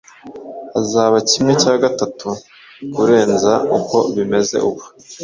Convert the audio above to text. azaba kimwe cya gatatu kurenza uko bimeze ubu.